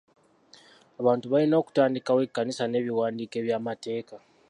Abantu balina okutandikawo ekkanisa n'ebiwandiiko eby'amateeka.